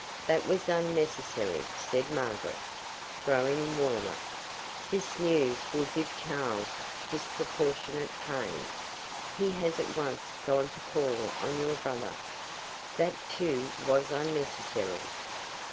"That was unnecessary," said Margaret, growing warmer. "This news will give Charles disproportionate pain." "He has at once gone to call on your brother." "That too was unnecessary."